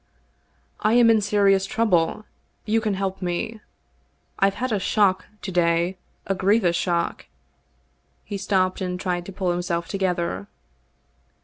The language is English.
" I am in serious trouble. You can help me. I've had a shock to day — a grievous shock." He stopped an<i tried to pull himself together.